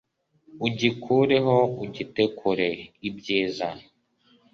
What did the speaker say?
ugikureho ugite kure. ibyiza